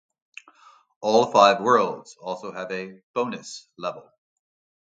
All five worlds also have a "bonus level".